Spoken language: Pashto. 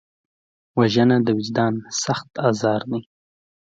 وژنه د وجدان سخت ازار دی